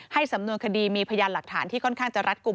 สำนวนคดีมีพยานหลักฐานที่ค่อนข้างจะรัดกลุ่ม